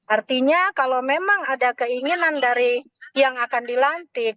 artinya kalau memang ada keinginan dari yang akan dilantik